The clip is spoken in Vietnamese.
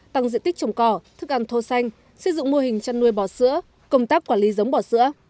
tăng diện tích trồng cỏ thức ăn thô xanh xây dựng mô hình chăn nuôi bò sữa công tác quản lý giống bò sữa